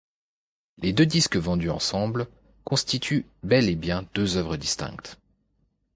Les deux disques vendus ensemble constituent bel et bien deux œuvres distinctes.